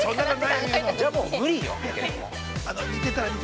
じゃあもう無理よ。